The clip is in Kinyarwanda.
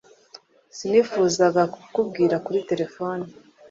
Sinifuzaga kukubwira kuri terefone